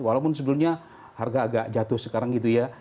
walaupun sebelumnya harga agak jatuh sekarang gitu ya